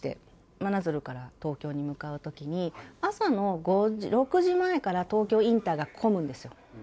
真鶴から東京に向かうときに、朝の６時前から東京インターが混むんですよ。